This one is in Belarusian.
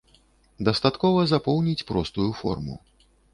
Дастаткова запоўніць простую форму.